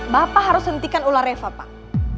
bapak harus hentikan ular revo pak